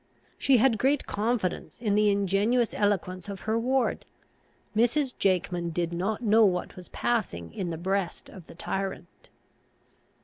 She had great confidence in the ingenuous eloquence of her ward. Mrs. Jakeman did not know what was passing in the breast of the tyrant.